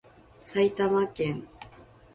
埼玉県坂戸市